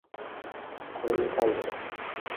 警黑勾結